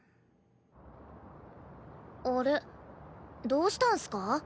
どうしたんすか？